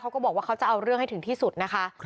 เขาก็บอกว่าเขาจะเอาเรื่องให้ถึงที่สุดนะคะ